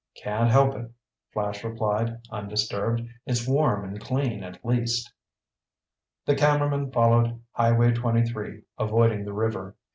"Can't help it," Flash replied, undisturbed. "It's warm and clean, at least." The cameramen followed Highway 23, avoiding the river.